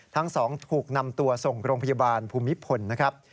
ทั้งสองถูกนำตัวส่งโรงพยาบาลภูมิพลนะครับ